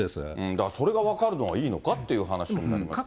だからそれが分かるのはいいのかっていう話になるけど。